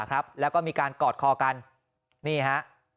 ครับแล้วก็มีการกอดคอกันนี่ฮะ